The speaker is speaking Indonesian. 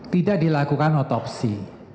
tidak dilakukan otopsi